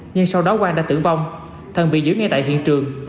nhưng sau đó quang đã tử vong thần bị giữ ngay tại hiện trường